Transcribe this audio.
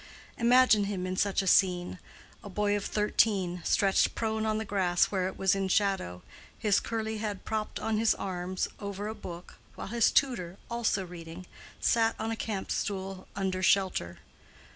Imagine him in such a scene: a boy of thirteen, stretched prone on the grass where it was in shadow, his curly head propped on his arms over a book, while his tutor, also reading, sat on a camp stool under shelter.